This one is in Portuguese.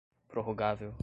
prorrogável